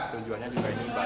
tujuannya juga ini baik